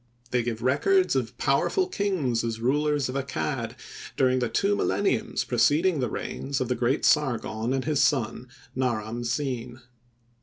They give records of powerful kings as rulers of Accad during the two milleniums preceding the reigns of the great Sargon and his son, Naram Sin.